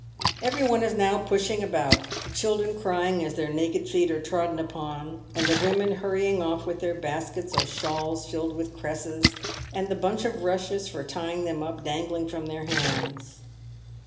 Every one is now pushing about, the children crying as their naked feet are trodden upon, and the women hurrying off with their baskets or shawls filled with cresses, and the bunch of rushes for tying them up dangling from their hands.